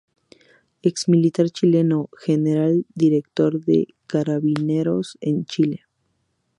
Ex militar chileno, General director de Carabineros de Chile.